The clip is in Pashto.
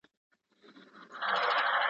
منډه د لوبغاړي له خوا وهل کيږي،